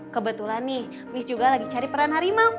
kebetulan nih miss juga lagi cari peran harimau